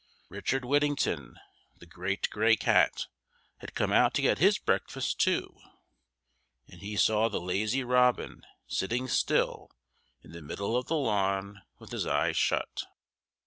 Richard Whittington, the great gray cat, had come out to get his breakfast, too, and he saw the lazy robin sitting still in the middle of the lawn with his eyes shut.